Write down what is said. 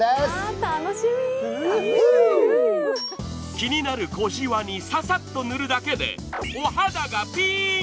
気になる小じわにササッと塗るだけでお肌がピーン！